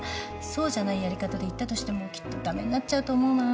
そうじゃないやり方でいったとしてもきっと駄目になっちゃうと思うな。